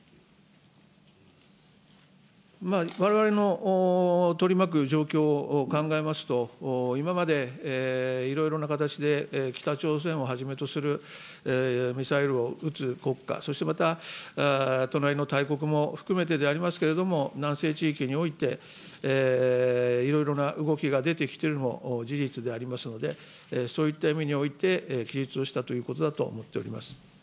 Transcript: われわれの取り巻く状況を考えますと、今までいろいろな形で北朝鮮をはじめとするミサイルを撃つ国家、そしてまた、隣の大国も含めてでありますけれども、南西地域において、いろいろな動きが出てきているのも事実でありますので、そういった意味において記述をしたということだと思っております。